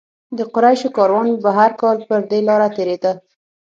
د قریشو کاروان به هر کال پر دې لاره تېرېده.